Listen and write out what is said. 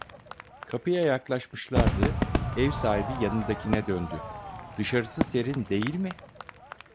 Kapıya yaklaşmışlardı; ev sahibi yanındakine döndü: "Dışarısı serin değil mi?"